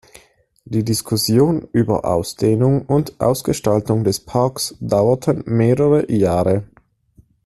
Die Diskussionen über Ausdehnung und Ausgestaltung des Parks dauerten mehrere Jahre.